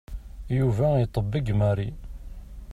Yuba iṭebbeg Marie.